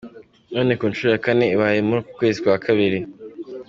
None ku nshuro ya kane ibaye muri kwezi kwa kabiri.